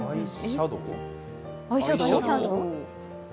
アイシャドウ？